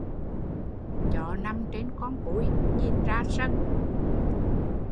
Chó nằm trên con cúi, nhìn ra sân